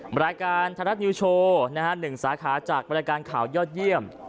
รายการไทยรัฐนิวโชว์๑สาขาจากบริการข่าวยอดเยี่ยม